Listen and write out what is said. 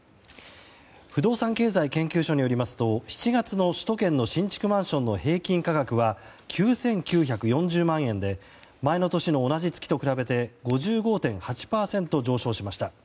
不動産経済研究所によりますと７月の首都圏の新築マンションの平均価格は９９４０万円で前の年の同じ月と比べて５５．８％上昇しました。